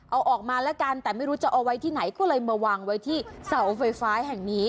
เอาออกมาแล้วกันแต่ไม่รู้จะเอาไว้ที่ไหนก็เลยมาวางไว้ที่เสาไฟฟ้าแห่งนี้